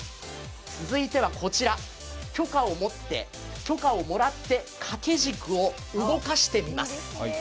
続いてはこちら、許可をもらって掛け軸を動かしてみます。